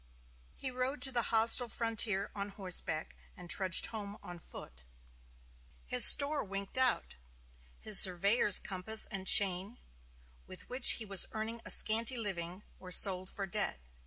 He rode to the hostile frontier on horseback, and trudged home on foot. His store "winked out." His surveyor's compass and chain, with which he was earning a scanty living, were sold for debt.